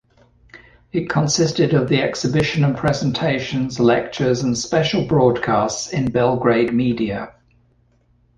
It consisted of the exhibition and presentations, lectures and special broadcasts in Belgrade media.